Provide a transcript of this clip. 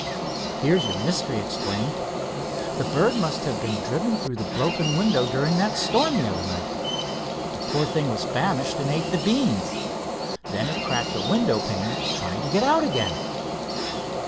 "Here's your mystery explained. The bird must have been driven through the broken window during that storm the other night. The poor thing was famished and ate the beans. Then it cracked the window panes trying to get out again."